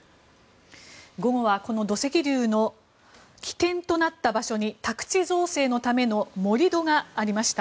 午後はこの土石流の起点となった場所に宅地造成のための盛り土がありました。